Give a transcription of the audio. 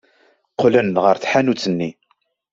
Qqlen ɣer tḥanut-nni.